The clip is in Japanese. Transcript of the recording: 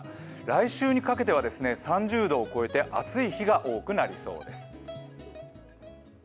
来週にかけては３０度を超えて暑い日が多くなりそうです。